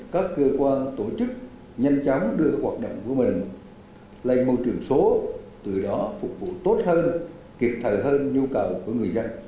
các cơ quan tổ chức nhanh chóng đưa hoạt động của mình lên môi trường số từ đó phục vụ tốt hơn kịp thời hơn nhu cầu của người dân